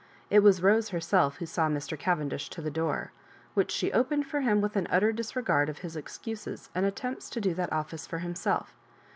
It was Rose herself who saw Mr. Cavendish to the door, which she opened for him with an utter disregard of his excuses and attempts to do that office for himself.